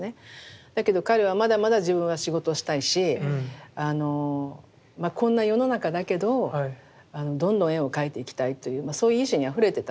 だけど彼はまだまだ自分は仕事したいしこんな世の中だけどどんどん絵を描いていきたいというそういう意志にあふれてた時代。